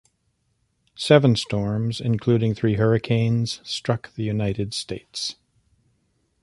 Seven storms, including three hurricanes, struck the United States.